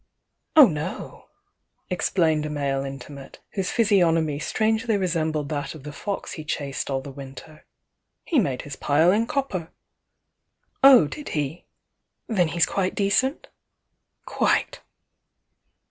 "Oh, no!" explained a male intimate, whose physi ognonay strangely resembled that of the fox he chased aU the winter. "He made his pUe in cop per. '^ "Oh, did he? Then he's quite decent?" "Quite!"